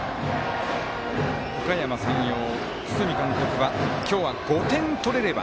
おかやま山陽、堤監督は今日は５点取れれば。